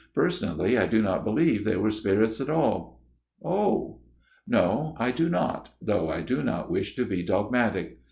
" Per sonally I do not believe they were spirits at all." " Oh ?"" No. I do not ; though I do not wish to be dogmatic.